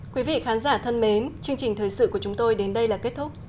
quý vị khán giả thân mến chương trình thời sự của chúng tôi đến đây là kết thúc